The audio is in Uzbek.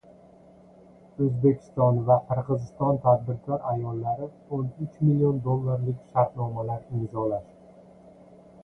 O‘zbekiston va Qirg‘iziston tadbirkor ayollari o'n uch million dollarlik shartnomalar imzolashdi